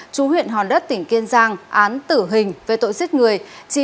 chú huyện hòn đất tỉnh kiên giang án tử hình về tội giết người